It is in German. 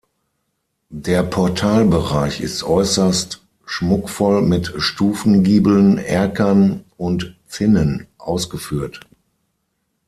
Der Portalbereich ist äußerst schmuckvoll mit Stufengiebeln, Erkern und Zinnen ausgeführt.